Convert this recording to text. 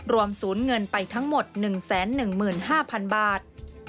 รวมสูญเงินไปทั้งหมด๑๑๕๐๐๐บาท